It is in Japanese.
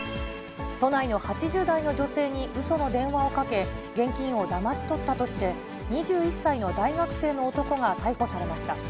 都内の８０代の女性にうその電話をかけ、現金をだまし取ったとして、２１歳の大学生の男が逮捕されました。